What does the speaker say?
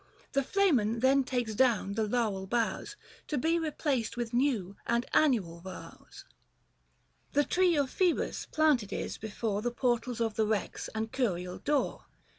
The Flamen then takes down the laurel boughs To be replaced with new, and annual vows. 72 THE FASTI. Book III. The tree of Phoebus planted is, before 145 The portals of the Rex and Curial door.